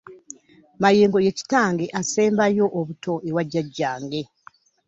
Mayengo ye kitange asembayo obuto ewa jjajjange.